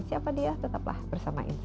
siapa dia tetaplah bersama insight